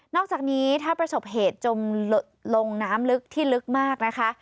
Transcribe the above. อกจากนี้ถ้าประสบเหตุจมลงน้ำลึกที่ลึกมากนะคะ